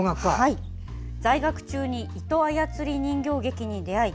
在学中に糸操り人形劇に出会い